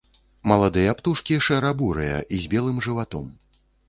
Маладыя птушкі шэра-бурыя з белым жыватом.